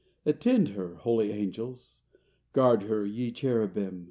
Attend her, holy Angels! Guard her, ye Cherubim!